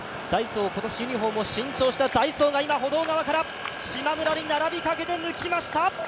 今年、ユニフォームを新調したダイソーが今、歩道側からしまむらに並びかけて抜きました！